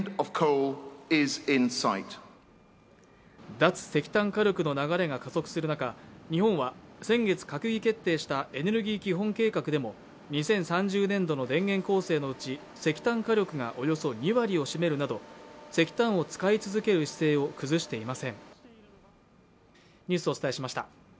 脱石炭火力の流れが加速する中、日本は先月、閣議決定したエネルギー基本計画でも２０３０年度の電源構成のうち、石炭火力がおよそ２割を占めるなど石炭を使い続ける姿勢を崩していません。